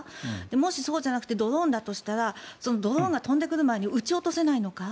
もし、そうじゃなくてドローンだとしたらドローンが飛んでくる前に撃ち落とせないのか。